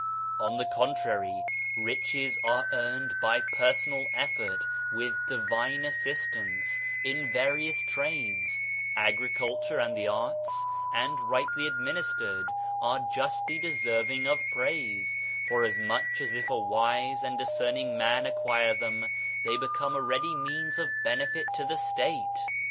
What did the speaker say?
On the contrary, riches are earned by personal effort with divine assistance, in various trades, agriculture and the arts, and, rightly administered, are justly deserving of praise, forasmuch as if a wise and discerning man acquire them, they be come a ready means of benefit to the state.